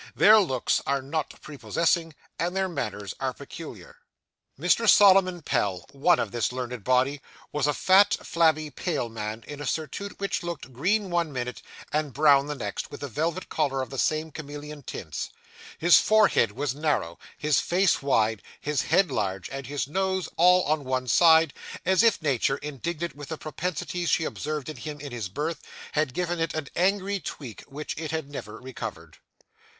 Their looks are not prepossessing, and their manners are peculiar. Mr. Solomon Pell, one of this learned body, was a fat, flabby, pale man, in a surtout which looked green one minute, and brown the next, with a velvet collar of the same chameleon tints. His forehead was narrow, his face wide, his head large, and his nose all on one side, as if Nature, indignant with the propensities she observed in him in his birth, had given it an angry tweak which it had never recovered.